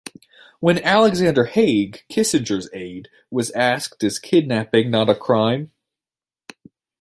When Alexander Haig, Kissinger's aide, was asked is kidnapping not a crime?